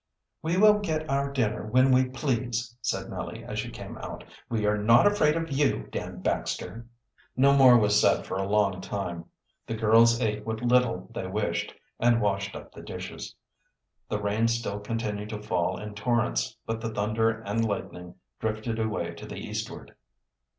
"We will get our dinner when we please," said Nellie, as she came out. "We are not afraid of you, Dan Baxter." No more was said for a long time. The girls ate what little they wished and washed up the dishes. The rain still continued to fall in torrents, but the thunder and' lightning drifted away to the eastward.